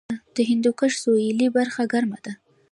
د هندوکش سویلي برخه ګرمه ده